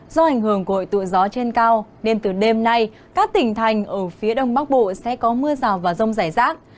do ảnh hưởng của hội tụ gió trên cao nên từ đêm nay các tỉnh thành ở phía đông bắc bộ sẽ có mưa rào và rông rải rác